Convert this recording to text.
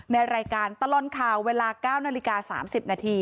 ในรายการตลอดค่าเวลา๙น๓๐น